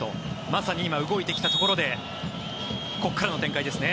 まさに今、動いてきたところでここからの展開ですね。